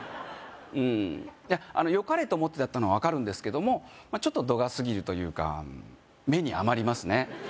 うんいやあのよかれと思ってだったのは分かるんですけどもまあちょっと度が過ぎるというか目に余りますね